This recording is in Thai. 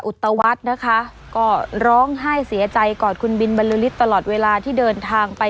อุตวัฒน์นะคะก็ร้องไห้เสียใจกอดคุณบินบรรลือฤทธิตลอดเวลาที่เดินทางไป